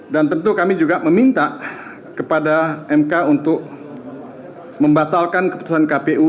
tentu kami juga meminta kepada mk untuk membatalkan keputusan kpu